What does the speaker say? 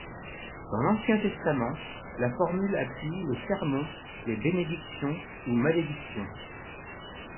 Dans l'Ancien Testament, la formule appuie les sermons, les bénédictions ou malédictions.